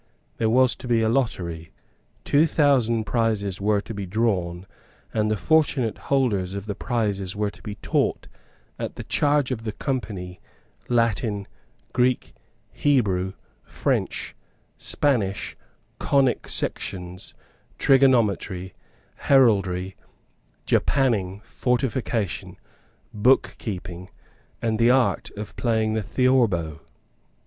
There was to be a lottery; two thousand prizes were to be drawn; and the fortunate holders of the prizes were to be taught, at the charge of the Company, Latin, Greek, Hebrew, French, Spanish, conic sections, trigonometry, heraldry, japanning, fortification, bookkeeping and the art of playing the theorbo.